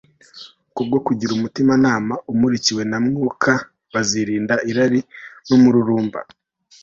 kubwo kugira umutimanama umurikiwe na mwuka bazirinda irari n'umururumba